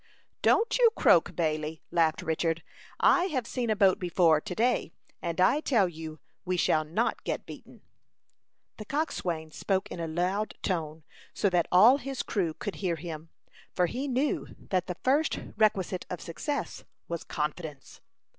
"Don't you croak, Bailey," laughed Richard. "I have seen a boat before to day, and I tell you we shall not get beaten." The coxswain spoke in a loud tone, so that all his crew could hear him, for he knew that the first requisite of success was confidence.